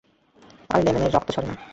আর লেমনের রক্ত ঝরে না।